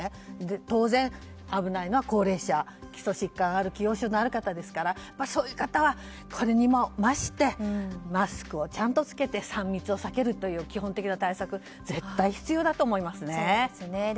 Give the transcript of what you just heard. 当然、危ないのは高齢者基礎疾患のある方ですからそういう方はこれまでに増してマスクをちゃんと着けて３密を避けるという基本的な対策が必要だと思いますね。